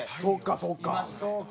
そうかそうか。